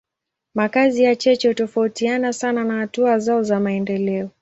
Makazi ya cheche hutofautiana sana na hatua zao za maendeleo.